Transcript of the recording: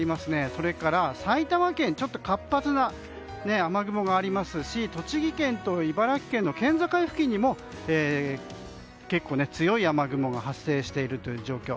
それから埼玉県活発な雨雲がありますし栃木県と茨城県の県境に付近にも結構強い雨雲が発生している状況。